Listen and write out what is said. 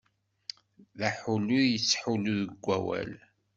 D aḥullu i yettḥullu deg wawal.